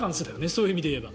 そういう意味で言えば。